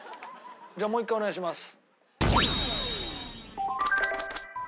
じゃあもう一回お願いします。